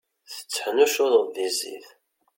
Tetteḥnuccuḍeḍ di zzit.